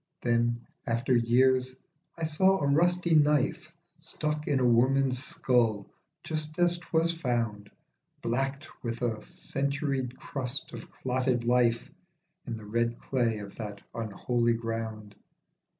Then, after years, I saw a rusty knife Stuck in a woman's skull, just as 'twas found, Blackt with a centuried crust of clotted life, In the red clay of that unholy ground.